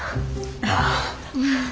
ああ。